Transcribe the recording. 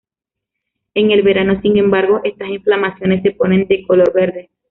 En el verano, sin embargo, esta inflamaciones se ponen de color verde.